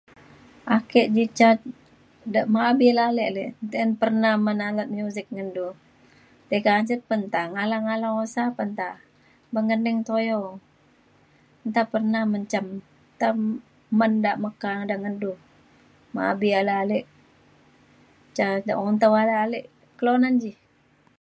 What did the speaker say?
ake ji ca de merabi ale ale le din pernah men alat muzik ngan du. ti kancet pe nta ngalau ngalau usa pa nta. men nening tuyau nta pernah menjam tem da meka da ngan du mabi ale ale ca da un ta ale kelunan ji